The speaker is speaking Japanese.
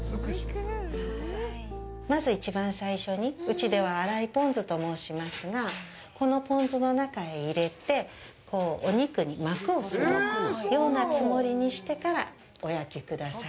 まず、一番最初にうちでは洗いぽん酢と申しますがこのぽん酢の中へ入れてお肉に膜をするようなつもりにしてからお焼きください。